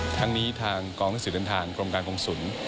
ทั้งนี้ทางกองหนังสือเดินทางกรมการกงศูนย์